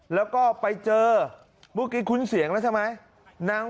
อำเภอโพธาราม